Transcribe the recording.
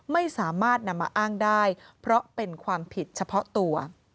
ไม่สามารถนำมาอ้างได้เพราะเป็นความผิดเฉพาะตัว